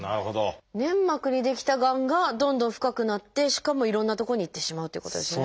粘膜に出来たがんがどんどん深くなってしかもいろんなとこに行ってしまうということですね。